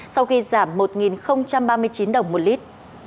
sau khi giảm một ba mươi chín đồng một lít